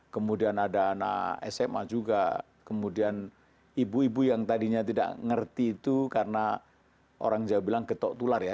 kemudian ada anak sma juga kemudian ibu ibu yang tadinya tidak mengerti itu karena orang jawa bilang getok tular ya